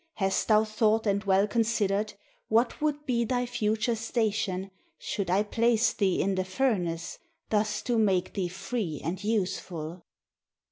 Hast thou thought and well considered, What would be thy future station, Should I place thee in the furnace. Thus to make thee free and useful?"